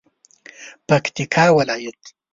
پکتیکا ولایت